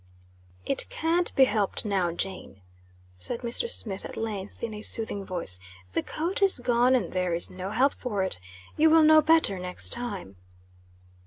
"It can't be helped now, Jane," said Mr. Smith, at length, in a soothing voice. "The coat is gone, and there is no help for it. You will know better next time."